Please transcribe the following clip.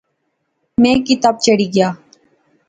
میں کی تپ چڑھی گیا